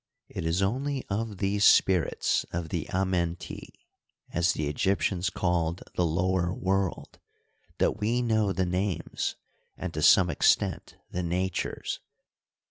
It is only of these spirits of the Amenti, as the Egyptians called the Lower World, that we know the names and, to some extent, the natures.